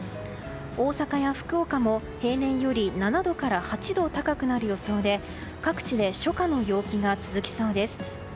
大阪や福岡も平年より７度から８度高くなる予想で各地で初夏の陽気が続きそうです。